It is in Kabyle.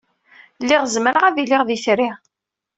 Lliɣ zemreɣ ad iliɣ d itri.